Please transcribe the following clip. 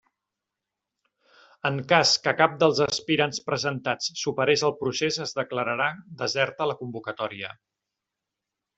En cas que cap dels aspirants presentats superes el procés es declararà deserta la convocatòria.